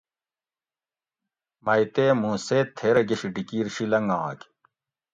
مئ تے مُوں سیت تھیرہ گشی ڈیکیر شی لنگاۤگ